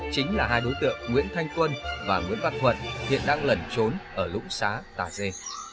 chính là hai đối tượng nguyễn thanh quân và nguyễn văn thuận hiện đang lẩn trốn ở lũng xá tà dê